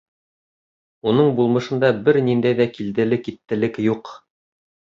Уның булмышында бер ниндәй ҙә килделе-киттелек юҡ.